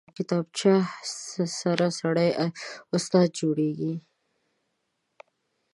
کتابچه سره سړی استاد جوړېږي